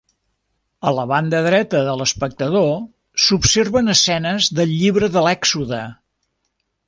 A la banda dreta de l'espectador s'observen escenes del llibre de l'Èxode.